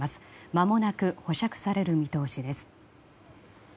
まもなく保釈される見通しです。